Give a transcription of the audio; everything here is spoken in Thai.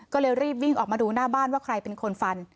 ก็เลยรีบวิ่งออกมาดูหน้าบ้านว่าใครเป็นคนฟัน